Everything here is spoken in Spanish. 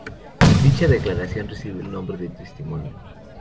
Dicha declaración recibe el nombre de testimonio.